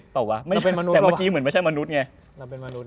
แต่เมื่อกี้เหมือนไม่ใช่มนุษย์ไง